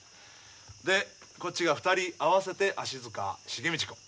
でこっちが２人合わせて足塚茂道くん。